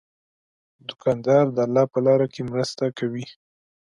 دوکاندار د الله په لاره کې مرسته کوي.